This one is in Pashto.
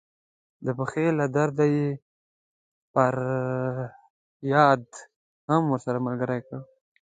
د پښې له درده یې فریاد هم ورسره ملګری کړ.